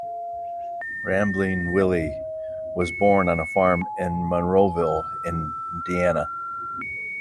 Rambling Willie was born on a farm in Monroeville, Indiana.